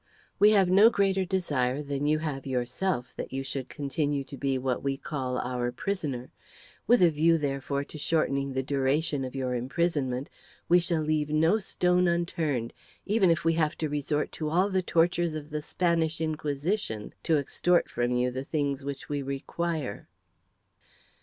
We have no greater desire than you have yourself that you should continue to be, what we call, our prisoner. With a view, therefore, to shortening the duration of your imprisonment we shall leave no stone unturned even if we have to resort to all the tortures of the Spanish Inquisition to extort from you the things which we require."